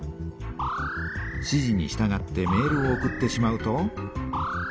指じにしたがってメールを送ってしまうと。